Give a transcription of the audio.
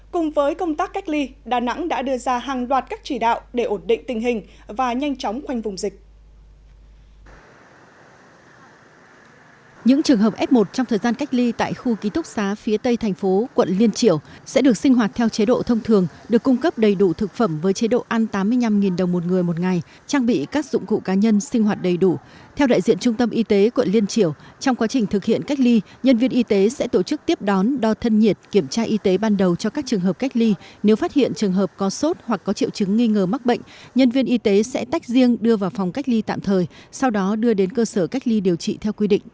cùng với công tác cách ly đà nẵng đã đưa ra hàng đoạt các chỉ đạo để ổn định tình hình và nhanh chóng khoanh vùng dịch